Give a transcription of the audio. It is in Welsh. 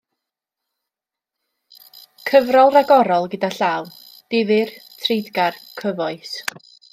Cyfrol ragorol gyda llaw; difyr, treiddgar, cyfoes.